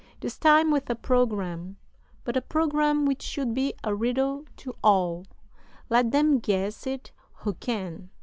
This time with a programme; but a programme which should be a riddle to all let them guess it who can!